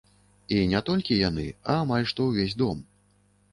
І не толькі яны, а амаль што ўвесь дом.